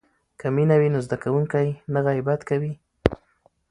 که مینه وي نو زده کوونکی نه غیبت کوي.